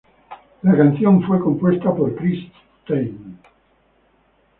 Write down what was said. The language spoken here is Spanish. La canción fue compuesta por Chris Stein.